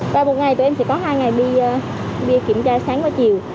ba buổi ngày tụi em sẽ có hai ngày đi kiểm tra sáng và chiều